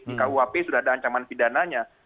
di kuhp sudah ada ancaman pidananya